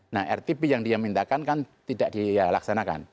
nah rtb yang dia mintakan kan tidak dilaksanakan